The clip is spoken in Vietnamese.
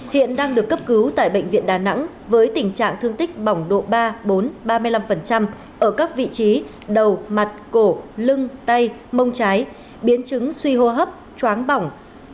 hiện đang được cấp cứu tại bệnh viện đà nẵng với tình trạng thương tích bỏng độ ba bốn ba mươi năm ở các vị trí đầu mặt cổ lưng tay mông trái biến chứng suy hô hấp chóng bỏng